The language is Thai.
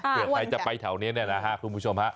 เผื่อใครจะไปแถวนี้แน่นะครับคุณผู้ชม